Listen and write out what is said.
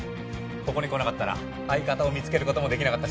ここに来なかったら相方を見つける事もできなかったし。